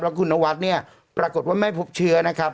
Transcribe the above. คุณนวัดเนี่ยปรากฏว่าไม่พบเชื้อนะครับ